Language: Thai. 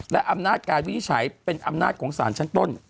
และอำนาจการวินิจฉัยเป็นอำนาจของสารชั้นต้น